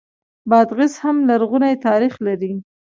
بادغیس هم لرغونی تاریخ لري